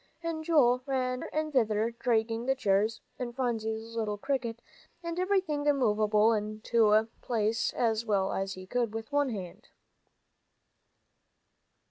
And Joel ran hither and thither, dragging the chairs, and Phronsie's little cricket, and everything movable into place as well as he could with one hand.